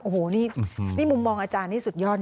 โอ้โฮมุมมองอาจารย์นี่สุดยอดจริง